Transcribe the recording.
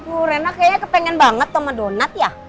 loh rena kayaknya kepengen banget sama donat ya